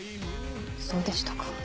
そうでしたか。